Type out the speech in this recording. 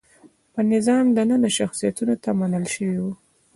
په نظام دننه شخصیتونو ته منل شوي وو.